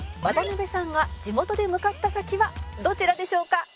「渡辺さんが地元で向かった先はどちらでしょうか？」